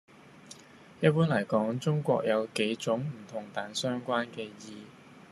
一般嚟講，「中國」有幾種唔同但係相關嘅意